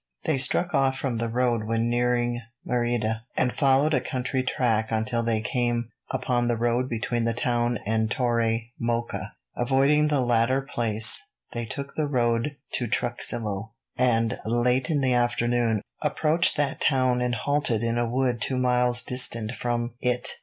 They struck off from the road when nearing Merida, and followed a country track until they came upon the road between that town and Torre Mocha. Avoiding the latter place, they took the road to Truxillo, and, late in the afternoon, approached that town and halted in a wood two miles distant from it.